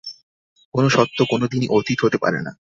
কোনো সত্য কোনোদিনই অতীত হতে পারে না।